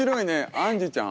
あんじゅちゃん？